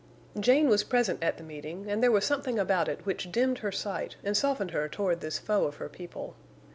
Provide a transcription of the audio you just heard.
Jane was present at the meeting, and there was something about it which dimmed her sight and softened her toward this foe of her people.